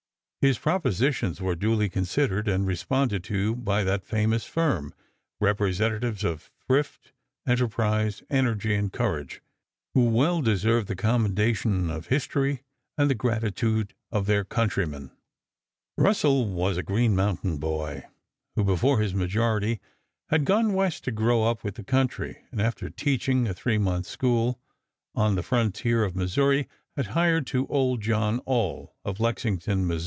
His propositions were duly considered and responded to by that famous firm, representatives of thrift, enterprise, energy, and courage, who well deserve the commendation of history and the gratitude of their countrymen. Russell was a Green Mountain boy, who before his majority had gone West to grow up with the country; and after teaching a three months' school on the frontier of Missouri had hired to old John Aull of Lexington, Mo.